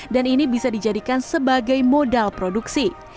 dan ini bisa dijadikan sebagai modal produksi